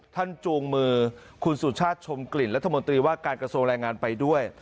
จูงมือคุณสุชาติชมกลิ่นรัฐมนตรีว่าการกระทรวงแรงงานไปด้วย